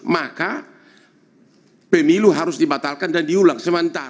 maka pemilu harus dibatalkan dan diulang sementara